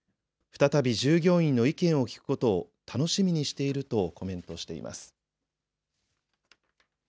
再び従業員の意見を聞くことを楽しみにしているとコメントしています。